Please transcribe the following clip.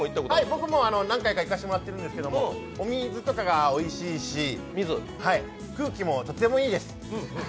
僕も何回か行かせてもらってるんですけど、お水とかがおいしいし、空気もとってもいいです。